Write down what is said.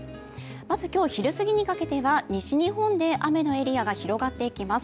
まず今日昼すぎにかけては西日本で雨のエリアが広がっていきます。